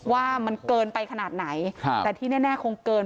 ว่ามันเกินไปขนาดไหนแต่ที่แน่คงเกิน